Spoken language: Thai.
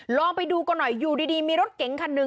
ลองไปดูกันหน่อยอยู่ดีมีรถเก๋งคันหนึ่ง